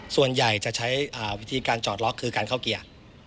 ส่วนใหญ่จะใช้วิธีการจอดล็อกคือการเข้าเกียร์